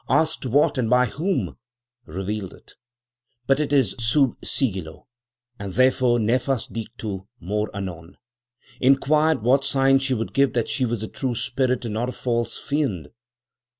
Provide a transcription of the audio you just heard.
Asked what, and by whom? Revealed it; but it is sub sigillo, and therefore nefas dictu; more anon. Inquired, what sign she could give that she was a true spirit and not a false fiend?